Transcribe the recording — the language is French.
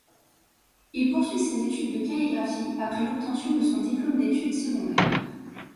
Il poursuit ses études de calligraphie après l'obtention de son diplôme d'études secondaires.